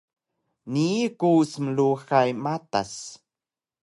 Nii ku smluhay matas